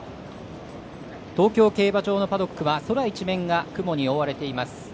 東京競馬場のパドックは空一面が雲に覆われています。